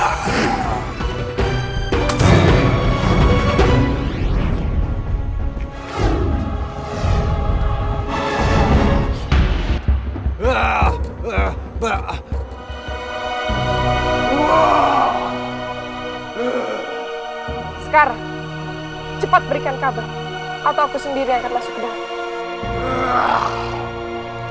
sekarang cepat berikan kabar atau aku sendiri akan masuk ke dalam